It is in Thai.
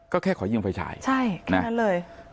ก็แค่ขอยืมไฟฉายนะใช่แค่นั้นเลย